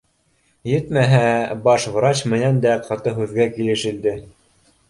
Етмәһә, баш врач менән дә ҡаты һүҙгә килешелде